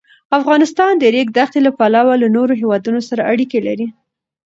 افغانستان د د ریګ دښتې له پلوه له نورو هېوادونو سره اړیکې لري.